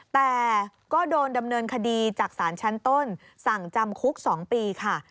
แต่ก็โดนดำเนินคดีจากศาลชั้นต้นสั่งจำคุก๒ปีค่ะ